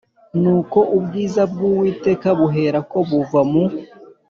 Nuko ubwiza bw Uwiteka buherako buva mu